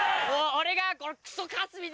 俺が。